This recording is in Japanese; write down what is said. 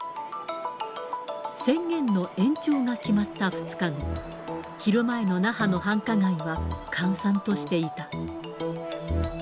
宣言の延長が決まった２日後、昼前の那覇の繁華街は閑散としていた。